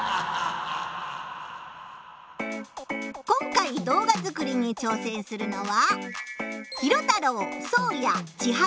今回動画作りに挑戦するのは。